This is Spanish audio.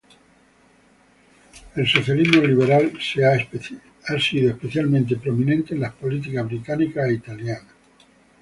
El socialismo liberal ha sido especialmente prominente en las políticas británica e italiana.